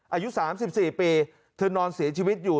อายุ๓๔ปีเธอนอนเสียชีวิตอยู่